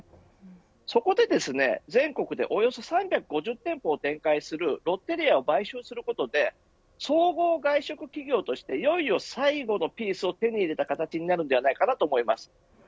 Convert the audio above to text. そこで全国でおよそ３５０店舗を展開するロッテリアを買収することで総合外食企業としていよいよ最後のピースを手に入れた形になると思います。